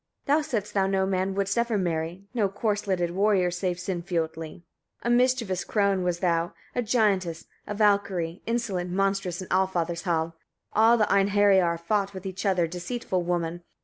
Thou saidst thou no man wouldst ever marry, no corsleted warrior, save Sinfiotli. 38. A mischievous crone wast thou, a giantess, a Valkyria, insolent, monstrous, in Alfather's hall. All the Einheriar fought with each other, deceitful woman!